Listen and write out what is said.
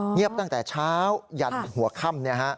เงียบตั้งแต่เช้ายันหัวค่ำ